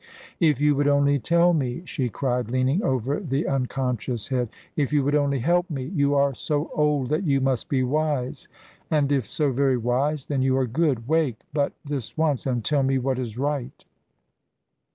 "If you would only tell me!" she cried leaning over the unconscious head. "If you would only help me. You are so old that you must be wise, and if so very wise, then you are good! Wake, but this once, and tell me what is right!"